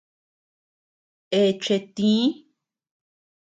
Eche tïi.